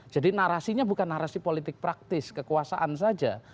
jadi narasinya bukan narasi politik praktis kekuasaan saja